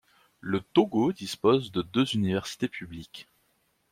Le Togo dispose de deux universités publiques.